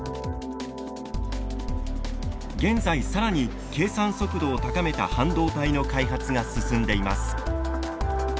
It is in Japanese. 現在更に計算速度を高めた半導体の開発が進んでいます。